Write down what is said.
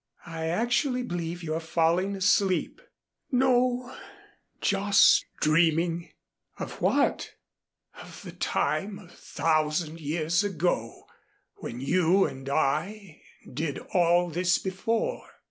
"I actually believe you're falling asleep." "No just dreaming." "Of what?" "Of the time a thousand years ago when you and I did all this before."